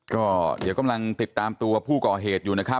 ก็เดี๋ยวกำลังติดตามตัวผู้ก่อเหตุอยู่นะครับ